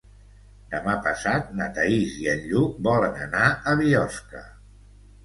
Demà passat na Thaís i en Lluc volen anar a Biosca.